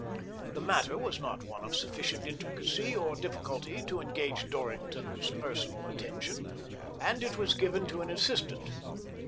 The matter was not one of sufficient intricacy or difficulty to engage Dorrington's personal attention, and it was given to an assis tant.